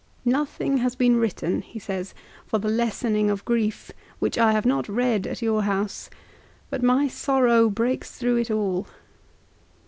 " Nothing has been written," he says, "for the lessening of grief, which I have not read at your house ; but my sorrow breaks through it all."